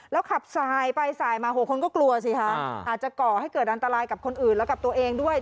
แล้วขับสายไปสายมา๖คนก็กลัวสิคะอาจจะก่อให้เกิดอันตรายกับคนอื่นแล้วกับตัวเองด้วย